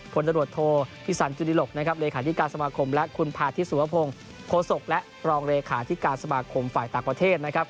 ตรวจโทพิสันจุฬิหลกนะครับเลขาธิการสมาคมและคุณพาธิสุวพงศ์โฆษกและรองเลขาธิการสมาคมฝ่ายต่างประเทศนะครับ